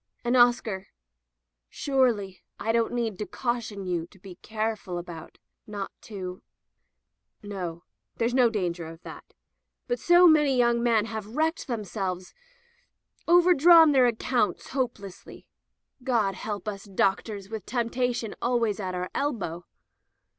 And Oscar — surely I don't need to caution you to be careful about — ^not to — no, there's no danger of that. But so many young men have wrecked themselves — over drawn their accounts hopelessly. God help [3963 Digitized by LjOOQ IC At Ephesus US doctors, with temptation always at our elbow!"